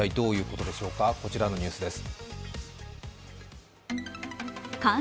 こちらのニュースです。